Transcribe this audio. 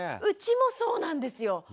うちもそうなんですよ。